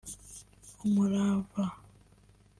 umurava